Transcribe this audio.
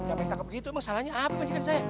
yang ditangkap begitu emang salahnya apa majikan saya